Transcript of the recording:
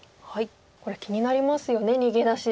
これ気になりますよね逃げ出し。